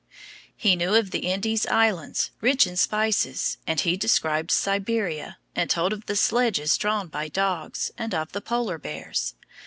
He knew of the Indies Islands, rich in spices, and he described Siberia, and told of the sledges drawn by dogs, and of the polar bears.